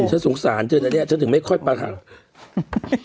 ฉันสงสารเจอตัวเนี่ยฉันถึงไม่ค่อยปัดห่าว